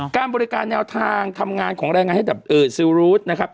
การบริการแนวทางทำงานของแรงงานให้กับซิลรูดนะครับ